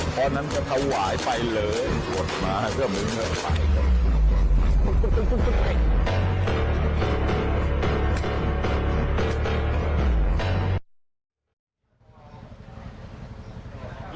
เพราะนั้นจะถวายไปเลยโทษมาให้เจ้ามือเมื่อใคร